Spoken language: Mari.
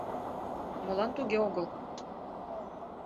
Молан туге огыл?